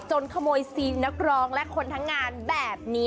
ขโมยซีนนักร้องและคนทั้งงานแบบนี้